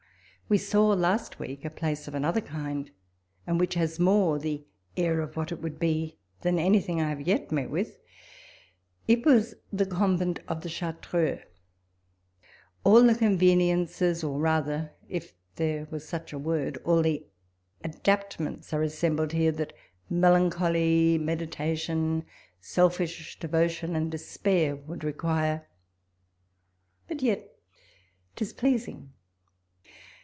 We saw last week a place of another kind, and which has more the air of what it would be, than anything I have yet met with : it was the convent of the Chartreux. All the conveniences, or rather (if there was such a word) all the adapt ine.nf'i are assembled here, that melancholy, meditation, selfish devotion, and despair would require. But yet 'tis pleasing.